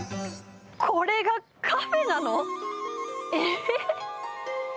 これが、カフェなの？